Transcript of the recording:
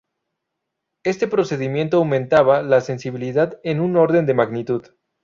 Este procedimiento aumentaba la sensibilidad en un orden de magnitud.